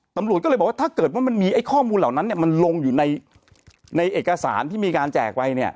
ตำรวจก็เลยบอกว่าถ้าเกิดว่ามันมีข้อมูลเหล่านั้นมันลงอยู่ในเอกสารที่มีการแจกไว้